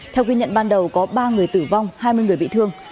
theo ghi nhận ban đầu có ba người tử vong hai mươi người bị thương